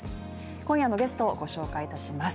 今夜のゲストをご紹介いたします。